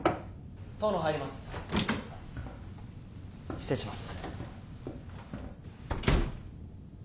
失礼します。